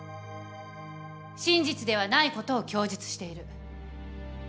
真実ではないことを供述している。